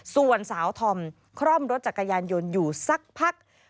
ส่วนสาวธอมคร่อมรถจักรยานยนต์อยู่สักพัก